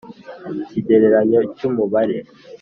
Ikigereranyo cy umubare